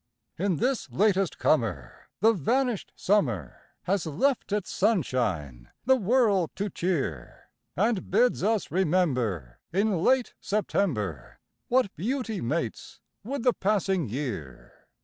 In this latest comer the vanished summer Has left its sunshine the world to cheer. And bids us remember in late September What beauty mates with the passing year.